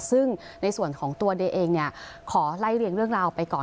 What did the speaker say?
ซึ่งในส่วนของตัวเดย์เองเนี่ยขอไล่เรียงเรื่องราวไปก่อน